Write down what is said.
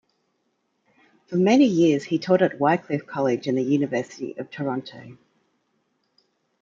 For many years he taught at Wycliffe College in the University of Toronto.